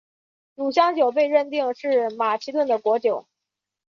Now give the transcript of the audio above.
乳香酒被认为是马其顿的国酒。